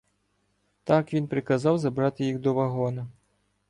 Так він приказав забрати їх до вагона.